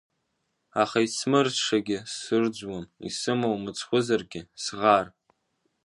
Аха исмырӡшагьы сырӡуам, исымоу мыцхәызаргьы, сӷар.